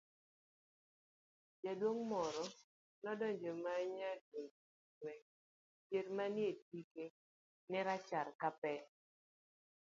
,jaduong' moro nodonjo ma nyadundo to chwe, yier manie tike ne rachar ka pe